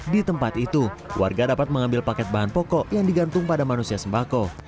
di tempat itu warga dapat mengambil paket bahan pokok yang digantung pada manusia sembako